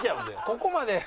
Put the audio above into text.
ここまで。